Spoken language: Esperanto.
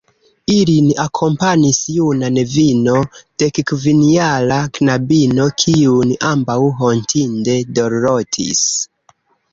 Ilin akompanis juna nevino, dekkvinjara knabino, kiun ambaŭ hontinde dorlotis.